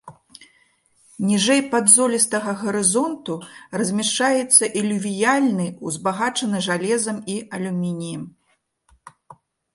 Ніжэй падзолістага гарызонту размяшчаецца ілювіяльны, узбагачаны жалезам і алюмініем.